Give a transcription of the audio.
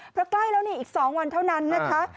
เพราะใกล้แล้วนี่อีก๒วันเท่านั้นนะคะ